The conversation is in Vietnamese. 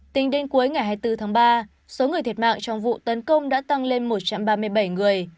tính đến cuối ngày hai mươi bốn tháng ba số người thiệt mạng trong vụ tấn công đã tăng lên một trăm ba mươi bảy người